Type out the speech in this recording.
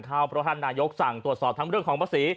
เพราะท่านนายกสั่งตรวจสอบทั้งเรื่องของภาษี